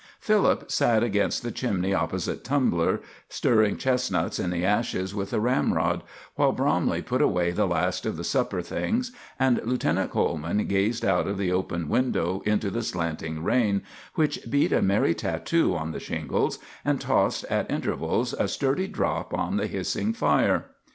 Philip sat against the chimney opposite Tumbler, stirring chestnuts in the ashes with a ramrod, while Bromley put away the last of the supper things, and Lieutenant Coleman gazed out of the open window into the slanting rain, which beat a merry tattoo on the shingles, and tossed at intervals a sturdy drop on the hissing fire.